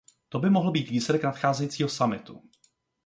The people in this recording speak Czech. To by mohl být výsledek nadcházejícího summitu.